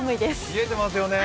冷えてますよね